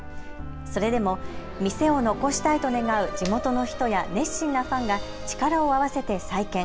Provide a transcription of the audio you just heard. それでも店を残したいと願う地元の人や熱心なファンが力を合わせて再建。